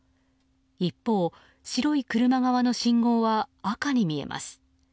一方、白い車側の信号は赤に見えます。